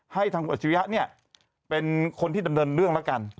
ให้ทางคุณอาชิริยะเนี่ยเป็นคนที่ดำเนินเรื่องแล้วกัน